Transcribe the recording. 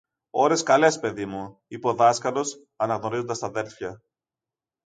Ώρες καλές, παιδί μου, είπε ο δάσκαλος αναγνωρίζοντας τ' αδέλφια.